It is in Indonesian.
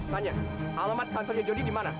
tanya alamat kantornya jody di mana